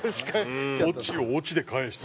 オチをオチで返して。